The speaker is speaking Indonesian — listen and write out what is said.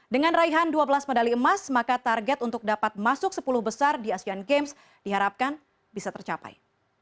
dengan raihan dua belas medali emas maka target untuk dapat masuk sepuluh besar di asean games diharapkan bisa tercapai